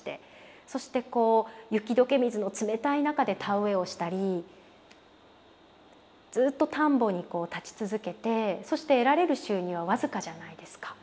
そして雪解け水の冷たい中で田植えをしたりずっと田んぼに立ち続けてそして得られる収入は僅かじゃないですか。